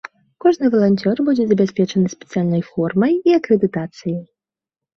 Кожны валанцёр будзе забяспечаны спецыяльнай формай і акрэдытацыяй.